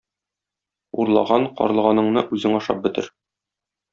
Урлаган карлыганыңны үзең ашап бетер!